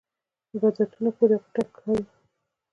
بدعتونو پورې غوټه کوي.